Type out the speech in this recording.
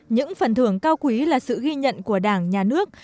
những phần thưởng cao quý là sự ghi nhận của đảng nhà nước